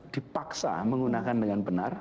dipaksa menggunakan dengan benar